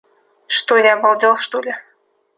Что я, обалдел что ли?